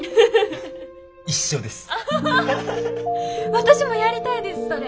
私もやりたいですそれ！